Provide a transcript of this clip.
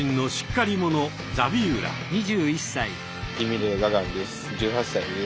ギミレ・ガガンです。